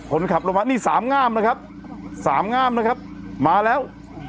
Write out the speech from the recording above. คนขับลงมานี่สามงามนะครับสามงามนะครับมาแล้ว